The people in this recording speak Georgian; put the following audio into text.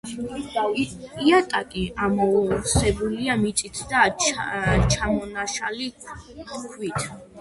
იატაკი ამოვსებულია მიწით და ჩამონაშალი ქვით.